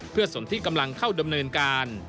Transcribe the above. เพื่อส่วนที่กำลังเข้าดำเนินการ